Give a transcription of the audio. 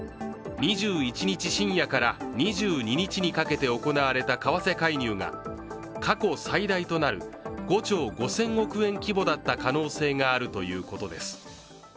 ２１日深夜から２２日にかけて行われた為替介入が過去最大となる５兆５０００億円規模だった可能性があるということです。